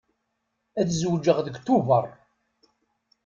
Ad zewǧeɣ deg Tubeṛ.